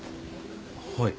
はい。